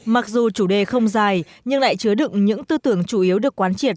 mặc dù chủ đề không dài nhưng lại chứa đựng những tư tưởng chủ yếu được quán triệt